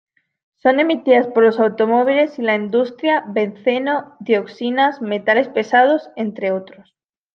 Son emitidas por los automóviles y la industria: benceno, dioxinas, metales pesados, entre otros.